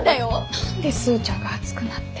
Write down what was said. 何でスーちゃんが熱くなってんの。